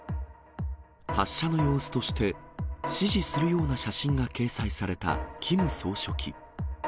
発射の様子として、指示するような写真が掲載されたキム総書記。